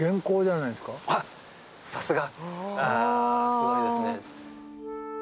すごいですね。